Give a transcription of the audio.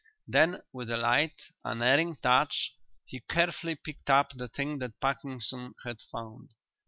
Then with a light, unerring touch he carefully picked up the thing that Parkinson had found.